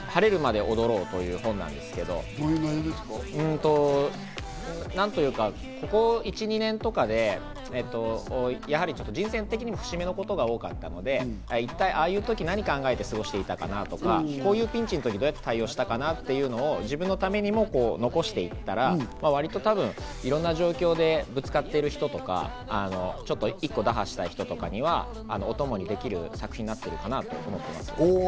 『晴れるまで踊ろう』という本なんですけど、ここ１２年とかで、やはり人生的にも節目のことが多かったので、あの時何を考えて過ごしていたのかなとか、このピンチでどう対応したのかなとか、自分のためにも残していったら、いろんな状況にぶつかっている人とか、一個打破したい人とかのお供にできる作品になっているかなと思い